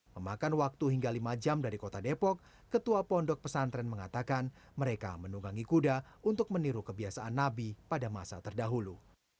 memakan waktu hingga lima jam dari kota depok ketua pondok pesantren mengatakan mereka menunggangi kuda untuk meniru kebiasaan nabi pada masa terdahulu